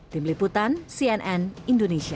tim liputan cnn indonesia